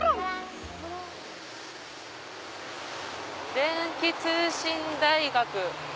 「電気通信大学」。